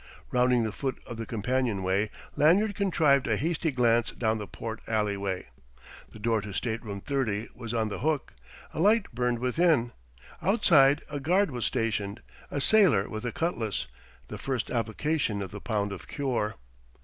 Rounding the foot of the companionway, Lanyard contrived a hasty glance down the port alleyway. The door to Stateroom 30 was on the hook; a light burned within. Outside a guard was stationed, a sailor with a cutlass: the first application of the pound of cure!